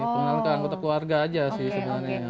pengenalan keanggota keluarga aja sih sebenarnya